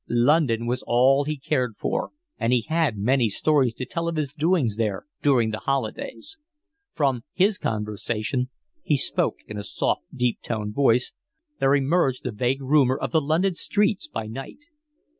London was all he cared for, and he had many stories to tell of his doings there during the holidays. From his conversation—he spoke in a soft, deep toned voice—there emerged the vague rumour of the London streets by night.